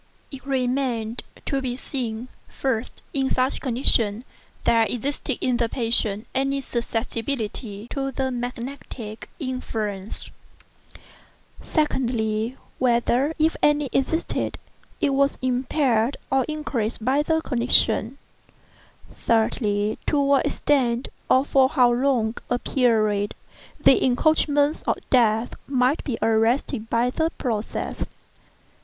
It remained to be seen, first, whether, in such condition, there existed in the patient any susceptibility to the magnetic influence; secondly, whether, if any existed, it was impaired or increased by the condition; thirdly, to what extent, or for how long a period, the encroachments of Death might be arrested by the process.